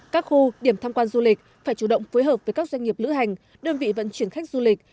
các khu điểm tham quan du lịch phải chủ động phối hợp với các doanh nghiệp lữ hành đơn vị vận chuyển khách du lịch